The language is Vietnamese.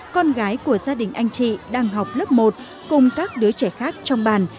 con gái của gia đình anh chị đang học lớp một cùng các đứa trẻ khác trong bàn